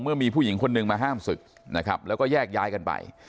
เมื่อมีผู้หญิงคนหนึ่งมาห้ามศึกนะครับแล้วก็แยกย้ายกันไป